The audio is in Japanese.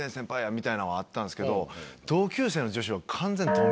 みたいなんはあったんですけど完全に。